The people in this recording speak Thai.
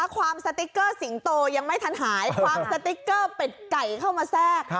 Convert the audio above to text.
ความสติ๊กเกอร์สิงโตยังไม่ทันหายความสติ๊กเกอร์เป็ดไก่เข้ามาแทรก